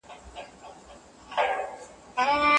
د هغې غومبوري د ژمي د یخ له امله سره شوي وو.